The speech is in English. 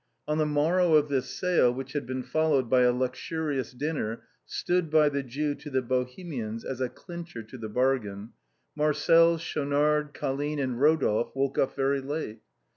On the morrow of this sale, which had been followed by a luxurious dinner stood by the Jew to the Bohemians as a clincher to the bargain, Marcel, Schaunard, Colline and Eodolphe woke up very late.